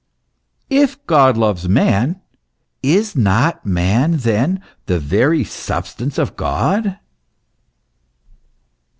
Tf God loves man, is not man, then, the very substance of God